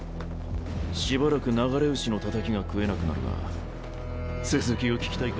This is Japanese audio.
しばらくナガレウシのタタキが食えなくなるが続きを聞きたいか？